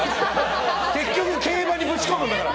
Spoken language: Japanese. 結局競馬にぶち込むんだから。